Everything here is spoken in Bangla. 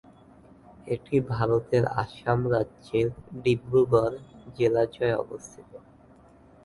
এটি ভারতের আসাম রাজ্যের ডিব্রুগড় জেলাযয় অবস্থিত।